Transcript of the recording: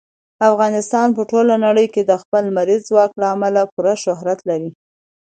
افغانستان په ټوله نړۍ کې د خپل لمریز ځواک له امله پوره شهرت لري.